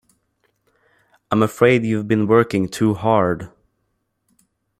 I’m afraid you’ve been working too hard.